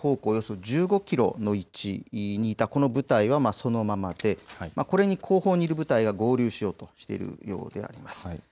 およそ１５キロの位置にいたこの部隊はそのままでこれに後方にいる部隊が合流しようとしているようであります。